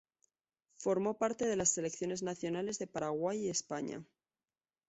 Formó parte de las selecciones nacionales de Paraguay y España.